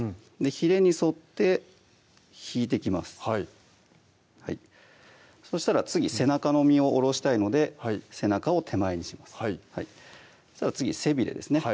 ひれに沿って引いてきますはいそしたら次背中の身をおろしたいので背中を手前にします次背びれですね